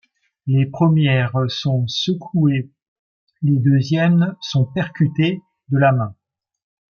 Les premières sont secouées, les deuxièmes sont percutées de la main.